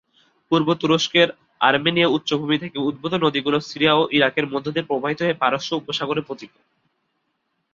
পূর্ব তুরস্কের আর্মেনীয় উচ্চভূমি থেকে উদ্ভূত নদীগুলো সিরিয়া ও ইরাকের মধ্য দিয়ে প্রবাহিত হয়ে পারস্য উপসাগরে পতিত।